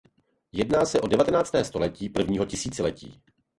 Jedná se o deváté století prvního tisíciletí.